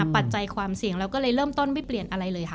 ปัจจัยความเสี่ยงเราก็เลยเริ่มต้นไม่เปลี่ยนอะไรเลยค่ะ